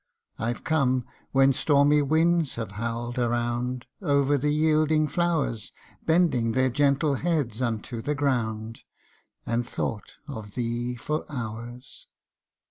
I've come when stormy winds have howl'd around Over the yielding flowers, Bending their gentle heads unto the ground, And thought of thee for hours.